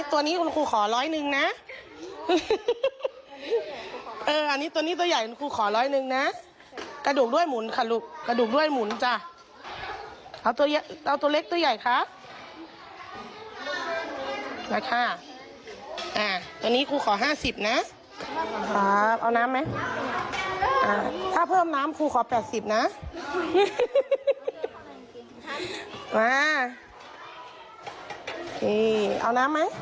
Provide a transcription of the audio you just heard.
อันนี้ตัวนี้คุณครูขอร้อยหนึ่งน่ะ